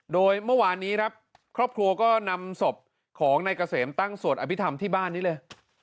โดยเมื่อวานนี้ครับครอบครัวก็นำศพของนายเกษมตั้งสวดอภิษฐรรมที่บ้านนี้เลย